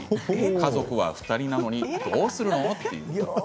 家族は２人なのにどうするの？